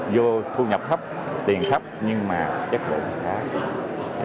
vô thu nhập thấp tiền thấp nhưng mà chất bộ khá